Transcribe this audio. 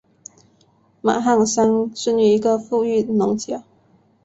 马汉三生于一个富裕农家。